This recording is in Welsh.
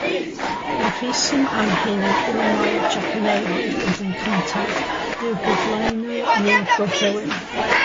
Y rheswm am hyn yw mai'r Japaneaid oedd y cyntaf i'w gyflwyno i'r Gorllewin.